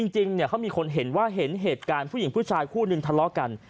จริงเขามีคนเห็นว่าเห็นเหตุการณ์ผู้หญิงผู้ชายคู่นึงทะเลาะกัน